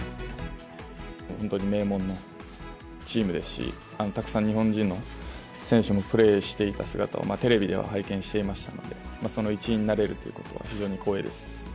本当に名門のチームですし、たくさん日本人の選手もプレーしていた姿を、テレビでは拝見していましたので、その一員になれるということは、非常に光栄です。